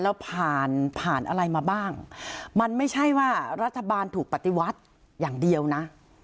แล้วผ่านผ่านอะไรมาบ้างมันไม่ใช่ว่ารัฐบาลถูกปฏิวัติอย่างเดียวนะ